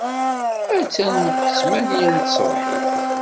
Attan d ttmanya n tṣebḥit.